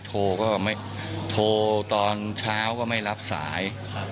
โทรก็ไม่โทรตอนเช้าก็ไม่รับสาย